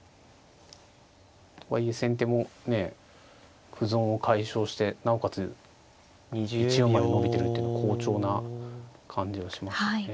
とはいえ先手も歩損を解消してなおかつ１四まで伸びてるっていうのは好調な感じがしますね。